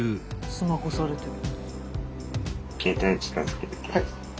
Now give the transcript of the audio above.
スマホされてる。